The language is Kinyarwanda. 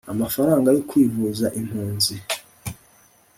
amafaranga yo kwivuza Impunzi